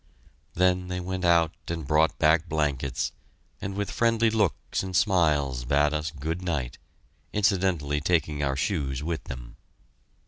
Then they went out and brought back blankets, and with friendly looks and smiles bade us good night, incidentally taking our shoes with them.